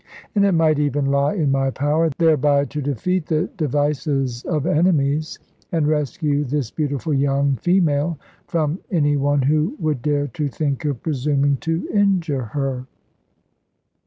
And it might even lie in my power thereby to defeat the devices of enemies, and rescue this beautiful young female from any one who would dare to think of presuming to injure her.